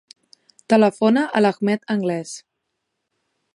Telefona a l'Ahmed Angles.